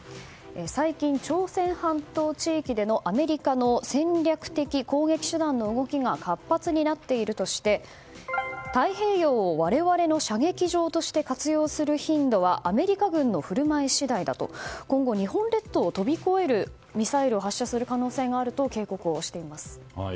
最近、朝鮮半島地域でのアメリカの戦略的攻撃手段の動きが活発になっているとして太平洋を我々の射撃場として活用する頻度はアメリカ軍の振る舞い次第だと今後、日本列島を飛び越えるミサイルを発射する可能性があると警告をしています。